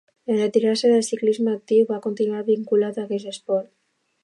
En retirar-se del ciclisme actiu va continuar vinculat a aquest esport.